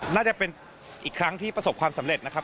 น่าจะเป็นอีกครั้งที่ประสบความสำเร็จนะครับ